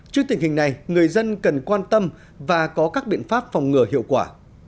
trước tình hình này người dân cần quan tâm và có các biện pháp phòng ngừa hiệu quả